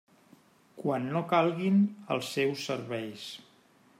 Quan no calguin els seus serveis.